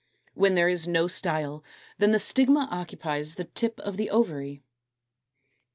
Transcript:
When there is no style then the stigma occupies the tip of the ovary.